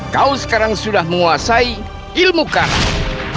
kau sekarang sudah menguasai ilmu kami